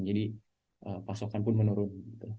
jadi pasokan pun menurun